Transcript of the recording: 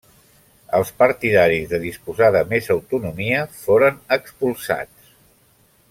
Els partidaris de disposar de més autonomia foren expulsats.